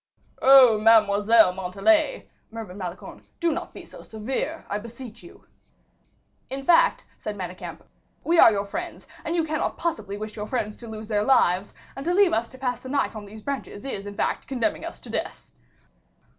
"Oh! Mademoiselle Montalais," murmured Malicorne; "do not be so severe, I beseech you." "In fact," said Manicamp, "we are your friends, and you cannot possibly wish your friends to lose their lives; and to leave us to pass the night on these branches is in fact condemning us to death."